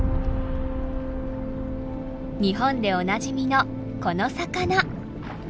日本でおなじみのこの魚。